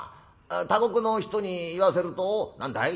他国の人に言わせると何だい？